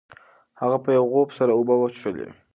هغه په یو غوپ سره اوبه وڅښلې.